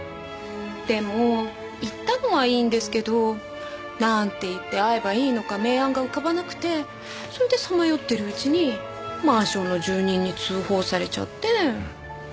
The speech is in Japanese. でも行ったのはいいんですけどなんて言って会えばいいのか名案が浮かばなくてそれでさまよってるうちにマンションの住人に通報されちゃって。